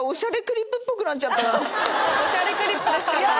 『おしゃれクリップ』ですから。